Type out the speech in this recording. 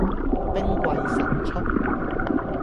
兵貴神速